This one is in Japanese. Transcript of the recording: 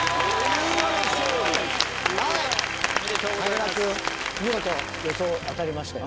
武田君見事予想当たりましたよ。